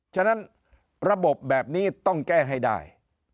ฉะนั้นระบบแบบนี้ต้องแก้ให้ได้